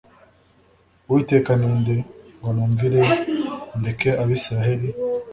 Uwiteka ni nde, ngo numvire ndeke Abisiraheli?